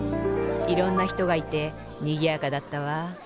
いろんなひとがいてにぎやかだったわ。